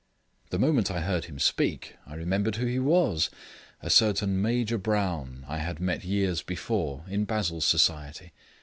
The moment I heard him speak I remembered who he was, a certain Major Brown I had met years before in Basil's society.